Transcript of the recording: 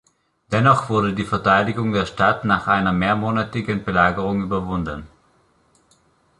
Dennoch wurde die Verteidigung der Stadt nach einer mehrmonatigen Belagerung überwunden.